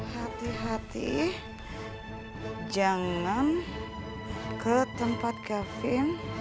hati hati jangan ke tempat kevin